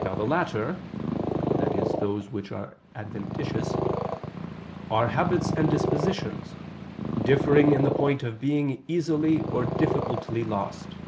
Now the latter," i.e. those which are adventitious, "are habits and dispositions, differing in the point of being easily or difficultly lost.